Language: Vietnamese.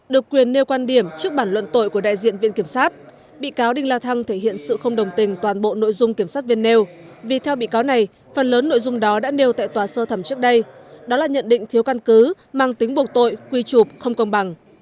được quyền nêu quan điểm trước bản luận tội của đại diện viện kiểm sát bị cáo đinh la thăng thể hiện sự không đồng tình toàn bộ nội dung kiểm sát viên nêu vì theo bị cáo này phần lớn nội dung đó đã nêu tại tòa sơ thẩm trước đây